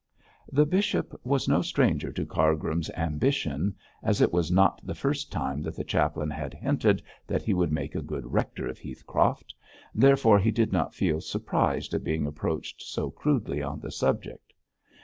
The bishop was no stranger to Cargrim's ambition, as it was not the first time that the chaplain had hinted that he would make a good rector of Heathcroft, therefore he did not feel surprised at being approached so crudely on the subject.